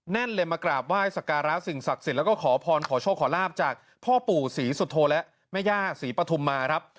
เลยมากราบไหว้สการะสิ่งศักดิ์สิทธิ์แล้วก็ขอพรขอโชคขอลาบจากพ่อปู่ศรีสุโธและแม่ย่าศรีปฐุมมาครับ